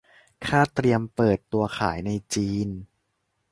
คาดเตรียมเปิดตัวขายในจีน